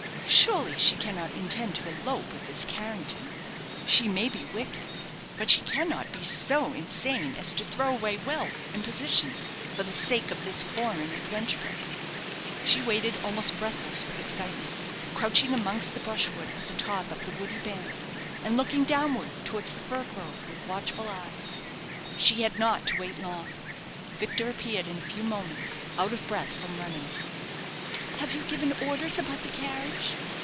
"Surely she cannot intend to elope with this Carrington. She may be wicked; but she cannot be so insane as to throw away wealth and position for the sake of this foreign adventurer." She waited, almost breathless with excitement, crouching amongst the brushwood at the top of the woody bank, and looking downward towards the fir grove, with watchful eyes. She had not to wait long. Victor appeared in a few minutes, out of breath from running. "Have you given orders about the carriage?"